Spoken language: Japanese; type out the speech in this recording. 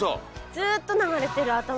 ずっと流れてる頭の中で。